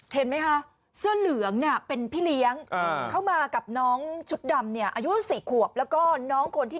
เห็นไหมคะเสื้อเหลืองเนี่ยเป็นพี่เลี้ยงเข้ามากับน้องชุดดำเนี่ยอายุ๔ขวบแล้วก็น้องคนที่